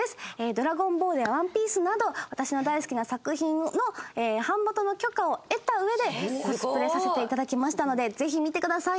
『ＤＲＡＧＯＮＢＡＬＬ』や『ＯＮＥＰＩＥＣＥ』など私の大好きな作品の版元の許可を得たうえでコスプレさせていただきましたのでぜひ見てください。